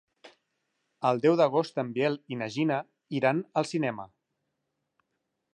El deu d'agost en Biel i na Gina iran al cinema.